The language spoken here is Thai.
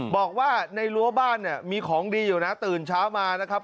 บอกว่าในรั้วบ้านเนี่ยมีของดีอยู่นะตื่นเช้ามานะครับ